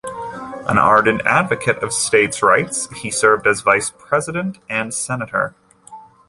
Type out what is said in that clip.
An ardent advocate of states' rights, he served as vice president and senator.